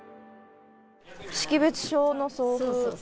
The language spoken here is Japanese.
識別証の送付。